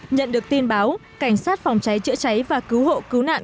nhận được tin báo cảnh sát phòng cháy chữa cháy và cứu hộ cứu nạn